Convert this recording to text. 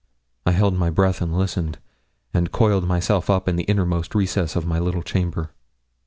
I held my breath and listened, and coiled myself up in the innermost recess of my little chamber.